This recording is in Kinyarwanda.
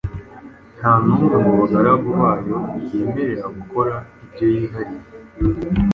Nta n’umwe mu bagaragu bayo yemerera gukora ibyo yihariye